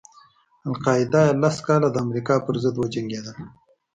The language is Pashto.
القاعده یې لس کاله د امریکا پر ضد وجنګېدله.